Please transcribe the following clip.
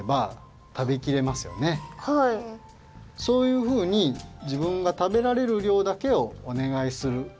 そういうふうにじぶんが食べられるりょうだけをおねがいする。